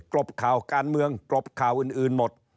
กรบข่าวการเมืองกรบข่าวอื่นหมด